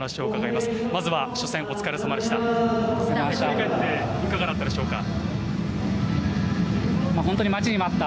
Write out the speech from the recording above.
まずは初戦お疲れさまでした。